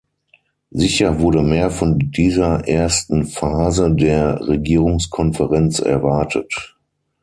Sicher wurde mehr von dieser ersten Phase der Regierungskonferenz erwartet.